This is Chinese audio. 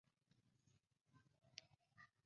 中华人民共和国县级以上行政区列表